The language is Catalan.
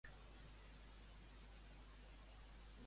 A quina cultura pertany la Muma Pădurii?